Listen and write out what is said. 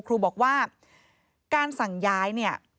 ครูบอกว่าการสั่งย้ายเนี่ย